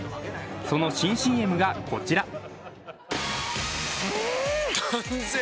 その新ＣＭがこちら。